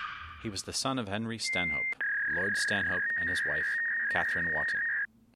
He was the son of Henry Stanhope, Lord Stanhope and his wife, Katherine Wotton.